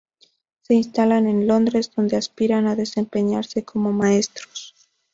Se instalan en Londres, donde aspiran a desempeñarse como maestros.